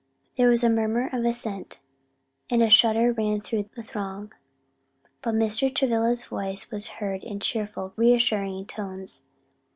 There was a murmur of assent, and a shudder ran through the throng. But Mr. Travilla's voice was heard in cheerful reassuring tones.